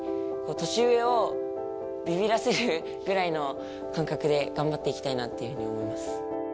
年上をビビらせるぐらいの感覚で頑張っていきたいなっていうふうに思います。